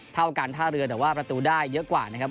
เท่าการท่าเรือแต่ว่าประตูได้เยอะกว่านะครับ